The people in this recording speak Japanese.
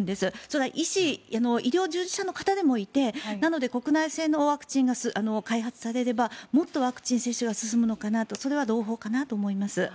それは医療従事者の方でもいてなので国内製のワクチンが開発されればもっとワクチンが進められるのかなとそれは朗報かなと思います。